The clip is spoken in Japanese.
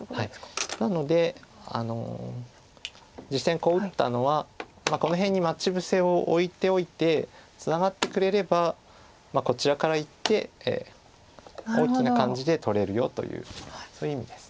なので実戦こう打ったのはこの辺に待ち伏せを置いておいてツナがってくれればこちらからいって大きな感じで取れるよというそういう意味です。